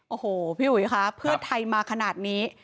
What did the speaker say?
โอ้โหพี่อุ๋ยคะเพื่อไทยมาขนาดนี้